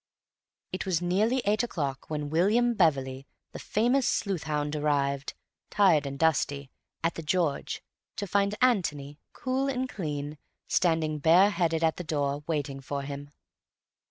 It was nearly eight o'clock when William Beverley, the famous sleuth hound, arrived, tired and dusty, at 'The George,' to find Antony, cool and clean, standing bare headed at the door, waiting for him.